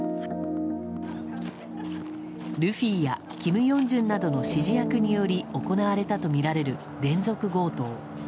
ルフィやキム・ヨンジュンなどの指示役により行われたとみられる連続強盗。